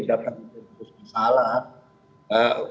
dapat di bukit sias bunga